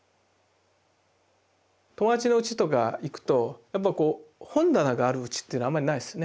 友達のうちとか行くとやっぱこう本棚があるうちっていうのはあんまりないですね。